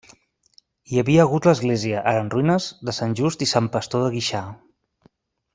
Hi havia hagut l'església, ara en ruïnes, de Sant Just i Sant Pastor de Guixà.